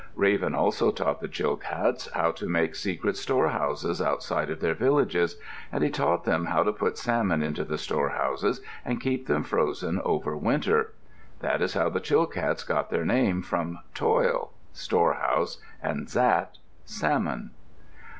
Raven also taught the Chilkats how to make secret storehouses outside of their villages, and he taught them how to put salmon into the storehouses and keep them frozen over winter. That is how the Chilkats got their name, from toil, "storehouse," and xat, "salmon."